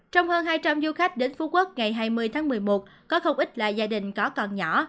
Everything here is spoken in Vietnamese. trong hơn hai trăm linh du khách đến phú quốc ngày hai mươi tháng một mươi một có không ít là gia đình có con nhỏ